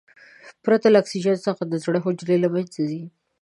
پرته له اکسیجن څخه د زړه حجرې له منځه ځي.